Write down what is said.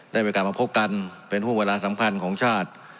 ได้มีโอกาสมาพบกันเป็นห่วงเวลาสำคัญของชาติ